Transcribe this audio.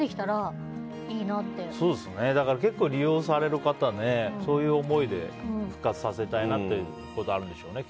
そういうのが結構、利用される方そういう思いで復活させたいなということがあるんでしょうね。